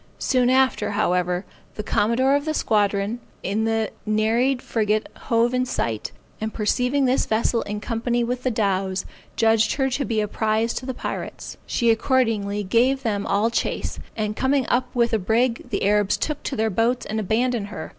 Soon after, however, the commodore of the squadron in the Neried frigate hove in sight, and perceiving this vessel in company with the dows, judged her to be a prize to the pirates. She accordingly gave them all chase, and coming up with the brig, the Arabs took to their boats and abandoned her.